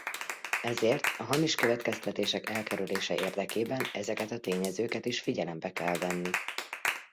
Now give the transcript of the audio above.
Ezért a hamis következtetések elkerülése érdekében ezeket a tényezőket is figyelembe kell venni.